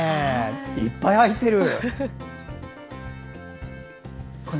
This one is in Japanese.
いっぱい入ってる！